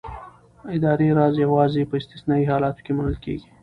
اداري راز یوازې په استثنايي حالاتو کې منل کېږي.